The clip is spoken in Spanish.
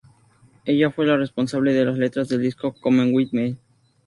Ella fue la responsable de las letras del "Disco Come With Me".